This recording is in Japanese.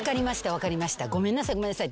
分かりましたごめんなさいごめんなさい」